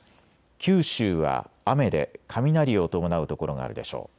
九州は雨で雷を伴う所があるでしょう。